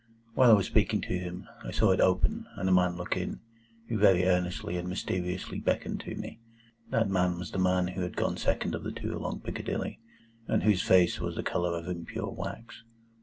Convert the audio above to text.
While I was speaking to him, I saw it open, and a man look in, who very earnestly and mysteriously beckoned to me. That man was the man who had gone second of the two along Piccadilly, and whose face was of the colour of impure wax.